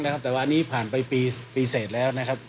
แต่ว่าอันนี้ผ่านไปปีเสร็จแล้วนะครับ